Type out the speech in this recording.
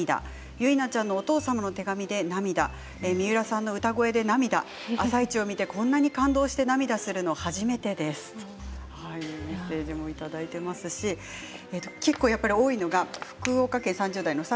結菜ちゃんのお父様の手紙で涙三浦さんの歌声で涙「あさイチ」を見てこんなに感動して涙するのは初めてですというメッセージもいただいていますし結構やっぱり多いのが福岡県３０代の方。